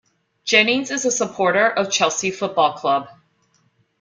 Jennings is a supporter of Chelsea Football Club.